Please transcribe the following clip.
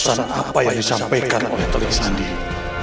siapa yang dimaksud oleh telik sadi itu